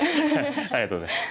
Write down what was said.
ありがとうございます。